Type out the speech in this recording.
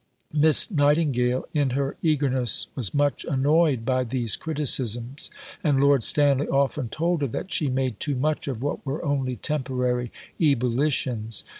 Miss Nightingale in her eagerness was much annoyed by these criticisms, and Lord Stanley often told her that she made too much of what were only temporary ebullitions.